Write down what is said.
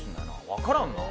分からんな。